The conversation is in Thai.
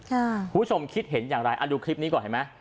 คุณผู้ชมคิดเห็นอย่างไรดูคลิปนี้ก่อนเห็นไหม